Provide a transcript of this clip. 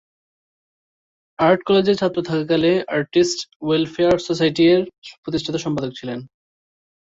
Art কলেজে ছাত্র থাকাকালে 'আর্টিস্ট ওয়েলফেয়ার সোসাইটি' র প্রতিষ্ঠাতা-সম্পাদক ছিলেন।